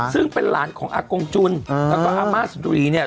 ซึ่งเป็นหลานของอากงจุนแล้วก็อามาสนุรี